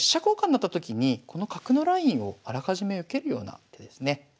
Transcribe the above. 交換なったときにこの角のラインをあらかじめ受けるような手ですね。